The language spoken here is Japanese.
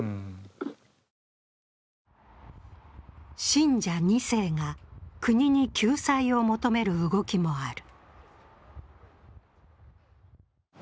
信者２世が国に救済を求める動きもある。